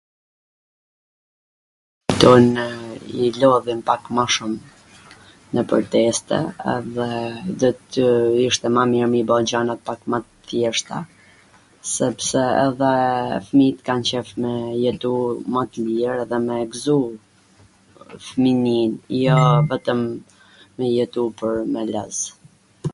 i lodhin pak ma shum nwpwr teste edhe do tw ishte ma mir me i bo gjanat pak ma t thjeshta, sepse edhe fmijt kan qef me jetu ma t lir edhe me e gzu fminin, jo vetwm me jetu pwr me loz